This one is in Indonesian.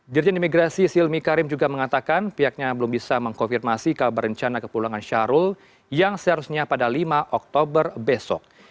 dirjen imigrasi silmi karim juga mengatakan pihaknya belum bisa mengkonfirmasi kabar rencana kepulangan syahrul yang seharusnya pada lima oktober besok